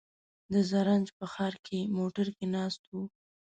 د زرنج په ښار کې موټر کې ناست و.